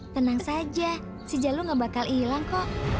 tenang saja si jalu nggak bakal hilang kok